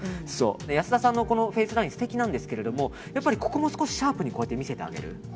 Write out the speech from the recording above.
安田さんのフェイスライン素敵なんですけどやっぱりここもシャープに見せてあげる。